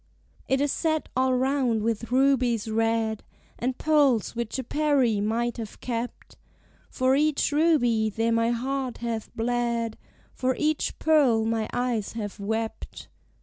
"It is set all round with rubies red, And pearls which a Peri, might have kept. For each ruby there my heart hath bled: For each pearl my eyes have wept."